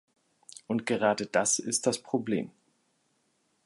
Und gerade das ist das Problem.